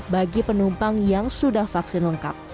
bagi penumpang yang sudah vaksin lengkap